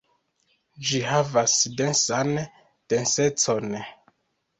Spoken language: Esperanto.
Ĝi havas densan densecon.